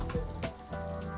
makanan kenyal yang tebus